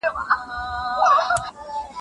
پلان جوړونه تر بې نظمه کار غوره ده.